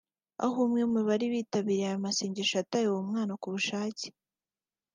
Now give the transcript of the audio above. aho umwe mu bari bitabiriye ayo masengesho yataye uwo mwana ku bushake